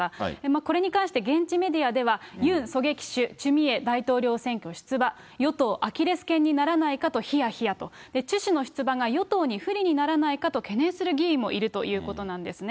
これに関して、現地メディアでは、ユン狙撃手、チュ・ミエ大統領選挙出馬、アキレスけんにならないかとひやひやとチュ氏の出馬が与党に不利にならないかと、懸念する人もいるようなんですね。